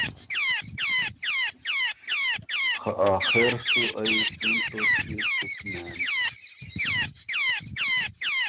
خه آخېر سُو ائ څُون توݭکيې چُپ نېن؟